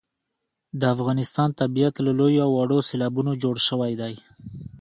د افغانستان طبیعت له لویو او وړو سیلابونو جوړ شوی دی.